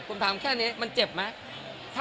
ผมถามแค่นี้มันเจ็บไหม